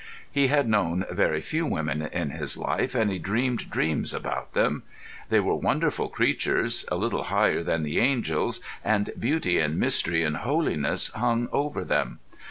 He had known very few women in his life, and he dreamed dreams about them. They were wonderful creatures, a little higher than the angels, and beauty and mystery and holiness hung over them.